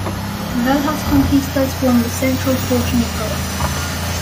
The Velhas Conquistas form the central portion of Goa.